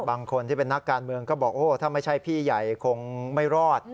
บางคนที่เป็นนักการเมืองก็บอกโอ้ถ้าไม่ใช่พี่ใหญ่คงไม่รอด